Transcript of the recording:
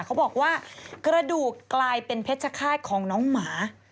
เขาบอกว่ากระดูกกลายเป็นเพชรฆาตของน้องหมา